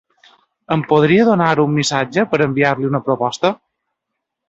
Em podria donar un missatge per enviar-li una proposta?